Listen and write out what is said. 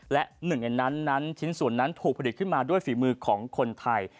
และหนึ่งในนั้นนั้นชิ้นส่วนนั้นถูกผลิตขึ้นมาด้วยฝีมือของคนไทย